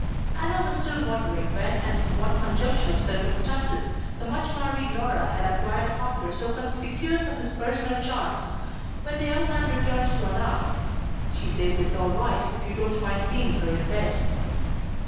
Anna was still wondering when and in what conjunction of circumstances the much married Laura had acquired a partner so conspicuous for his personal charms, when the young man returned to announce: "She says it's all right, if you don't mind seeing her in bed."